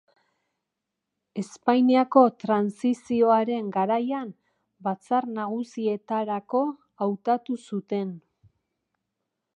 Espainiako trantsizioaren garaian, Batzar Nagusietarako hautatu zuten.